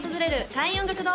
開運音楽堂